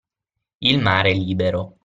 Il mare libero!